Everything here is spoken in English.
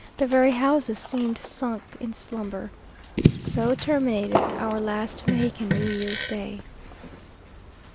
The very houses seemed sunk in slumber. So terminated our last Mexican New Year's Day.